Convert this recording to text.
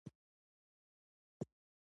د مچۍ د زهر لپاره د څه شي اوبه وکاروم؟